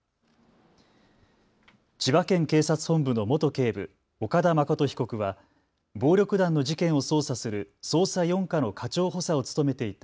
千葉県警察本部の元警部、岡田誠被告は暴力団の事件を捜査する捜査４課の課長補佐を務めていた